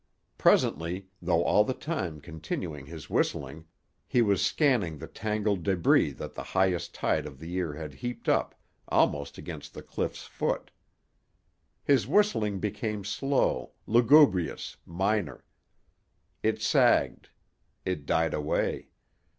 Presently, though all the time continuing his whistling, he was scanning the tangled débris that the highest tide of the year had heaped up, almost against the cliff's foot. His whistling became slow, lugubrious, minor. It sagged. It died away.